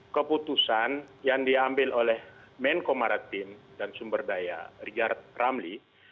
keputusan yang diambil oleh menko maratin dan sumber daya rizal ramli